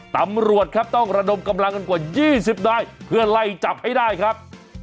ตำรวจครับต้องระดมกำลังกันกว่า๒๐นายเพื่อไล่จับให้ได้ครับ